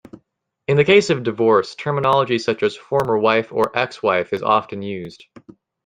In the case of divorce, terminology such as "former-wife" or "ex-wife" is often used.